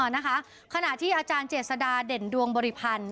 นะคะขณะที่อาจารย์เจษฎาเด่นดวงบริพันธ์